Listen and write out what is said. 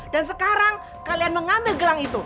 dan sekarang kalian mengambil gelang itu